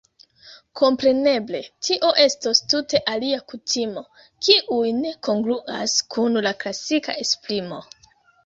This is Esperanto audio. Kompreneble tio estos tute alia kutimo, kiuj ne kongruas kun la klasika esprimo.